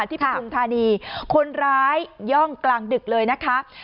ปฐุมธานีคนร้ายย่องกลางดึกเลยนะคะ